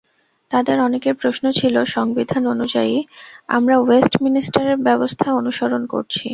তাদের অনেকের প্রশ্ন ছিল, সংবিধান অনুযায়ী আমরা ওয়েস্টমিনস্টার ব্যবস্থা অনুসরণ করছি।